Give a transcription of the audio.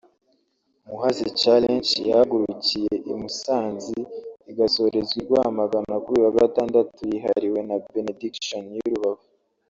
Muhazi Challenge yahagurukiye i Musanzi igasorezwa i Rwamagana kuri uyu wa gatandatu yihariwe na Benediction y’i Rubavu